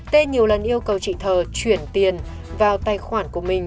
t nhiều lần yêu cầu chị thờ chuyển tiền vào tài khoản của mình